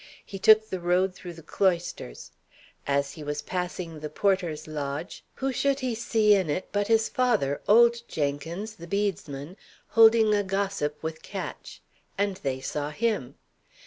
He took the road through the cloisters. As he was passing the porter's lodge, who should he see in it but his father, old Jenkins, the bedesman, holding a gossip with Ketch; and they saw him.